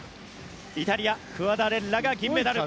イタリア、クアダレッラが銀メダル。